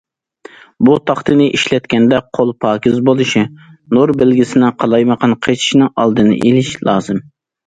بۇ تاختىنى ئىشلەتكەندە، قول پاكىز بولۇشى، نۇر بەلگىسىنىڭ قالايمىقان قېچىشىنىڭ ئالدىنى ئېلىش لازىم.